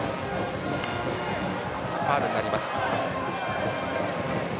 ファウルになります。